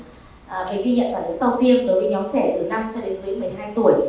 về kinh nghiệm và đến sau tiêm đối với nhóm trẻ từ năm cho đến dưới một mươi hai tuổi